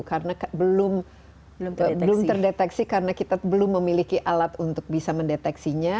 karena belum terdeteksi karena kita belum memiliki alat untuk bisa mendeteksinya